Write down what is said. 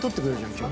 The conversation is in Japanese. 今日。